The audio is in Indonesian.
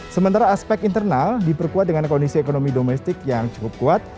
sementara aspek internal diperkuat dengan kondisi ekonomi domestik yang cukup kuat